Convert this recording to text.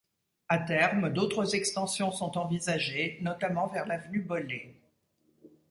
À terme, d'autres extensions sont envisagées, notamment vers l'Avenue Bollée.